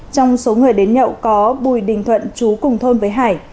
trong số người đến nhậu có bùi đình thuận chú cùng thôn với hải